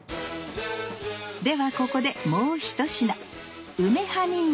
ではここでもう１品！